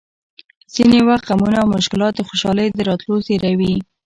ځینې وخت غمونه او مشکلات د خوشحالۍ د راتلو زېری وي!